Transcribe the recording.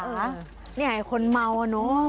นี่ไงคนเมาอะน้อง